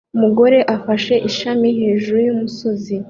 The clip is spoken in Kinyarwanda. Umugore ufashe ishami hejuru yumusozi